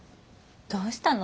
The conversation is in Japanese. どうしたの？